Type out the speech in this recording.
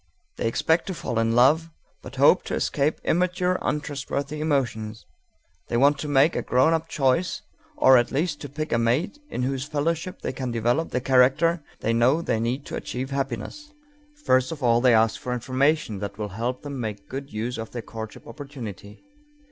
They expect to fall in love, but hope to escape immature, untrustworthy emotions. They want to make a grown up choice or at least to pick a mate in whose fellowship they can develop the character they know they need to achieve happiness. First of all they ask for information that will help them make good use of their courtship opportunity.